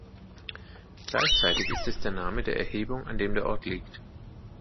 Gleichzeitig ist es der Name der Erhebung, an dem der Ort liegt.